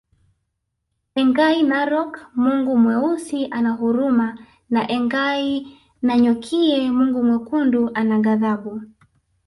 Engai Narok Mungu Mweusi ana huruma na Engai Nanyokie Mungu Mwekundu ana ghadhabu